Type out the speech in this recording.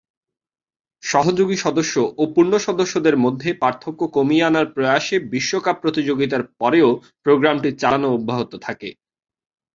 সহযোগী সদস্য ও পূর্ণ সদস্যদের মধ্যে পার্থক্য কমিয়ে আনার প্রয়াসে বিশ্বকাপ প্রতিযোগিতার পরেও প্রোগ্রামটি চালানো অব্যাহত থাকে।